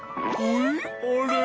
あれ？